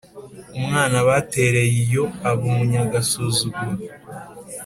umwana batereye iyo, aba umunyagasuzuguro.